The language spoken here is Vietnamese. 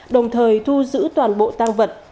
đồng thời thu giữ toàn bộ tang vật